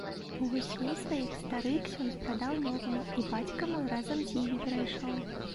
Гусей сваіх стары ксёндз прадаў новаму, і бацька мой разам з імі перайшоў.